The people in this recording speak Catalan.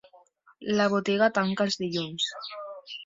La botiga tanca els dilluns.